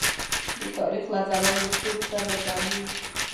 د تاریخ له ځلاندو ستورو سره ځلیږي.